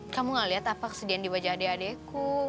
kamu gak liat apa kesedihan di wajah adek adeku